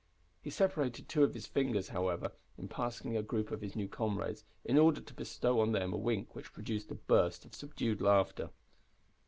He separated two of his fingers, however, in passing a group of his new comrades, in order to bestow on them a wink which produced a burst of subdued laughter.